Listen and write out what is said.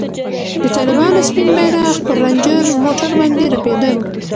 د طالبانو سپین بیرغ پر رنجر موټر باندې رپېده.